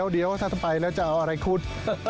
เดี๋ยวสักสมัยแล้วจะเอาอะไรขุด